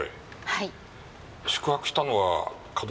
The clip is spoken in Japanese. はい。